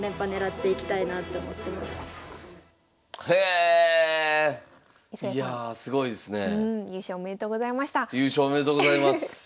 おめでとうございます。